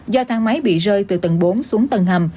do thang máy bị rơi từ tầng bốn xuống tầng hầm